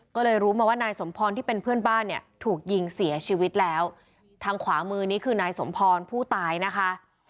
ก็เลยรู้มาว่านายสมพรที่เป็นเพื่อนบ้านเนี่ยถูกยิงเสียชีวิตแล้วทางขวามือนี้คือนายสมพรผู้ตายนะคะ